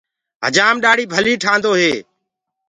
هجآم ڏآڙهي ڀلي ٺآندو هي۔